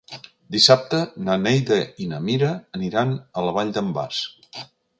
Dissabte na Neida i na Mira aniran a la Vall d'en Bas.